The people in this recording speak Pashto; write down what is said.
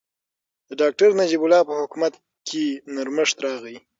د ډاکټر نجیب الله په حکومت کې نرمښت راغی.